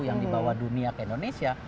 yang dibawa dunia ke indonesia